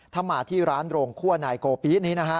ถ้ามาที่ร้านโรงคั่วนายโกปินี้นะฮะ